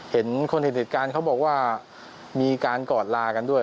เห็นคนเห็นเหตุการณ์เขาบอกว่ามีการกอดลากันด้วย